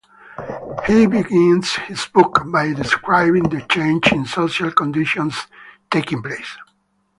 He begins his book by describing the change in social conditions taking place.